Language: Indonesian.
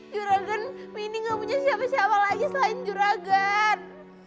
juragan mini gak punya siapa siapa lagi selain juragan